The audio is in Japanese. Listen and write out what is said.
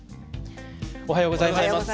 おはようございます。